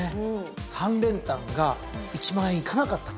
３連単が１万円いかなかったと。